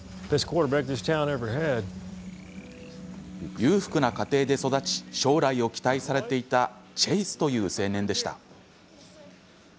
裕福な家庭で育ち将来を期待されていたチェイスという青年でした。